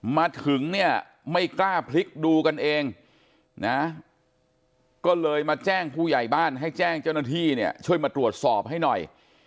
มาถึงเนี่ยไม่กล้าพลิกดูกันเองนะก็เลยมาแจ้งผู้ใหญ่บ้านให้แจ้งเจ้าหน้าที่เนี่ยช่วยมาตรวจสอบให้หน่อย